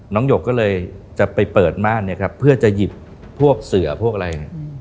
หยกก็เลยจะไปเปิดม่านเนี่ยครับเพื่อจะหยิบพวกเสือพวกอะไร